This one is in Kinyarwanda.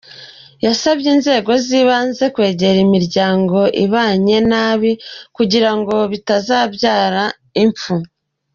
Yasabye inzego z’ibanze kwegera imiryango ibanye nabi kugira ngo bitazabyara impfu.